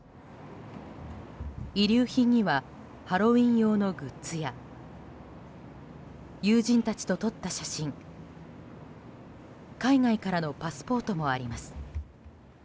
遺留品にはハロウィーン用のグッズや友人たちと撮った写真海外からのパスポートもあります。